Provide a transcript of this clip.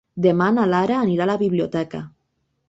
Demà na Lara anirà a la biblioteca.